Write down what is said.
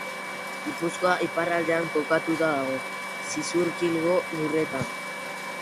Gipuzkoa iparraldean kokatua dago, Zizurkilgo lurretan.